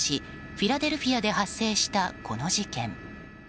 フィラデルフィアで発生したこの事件。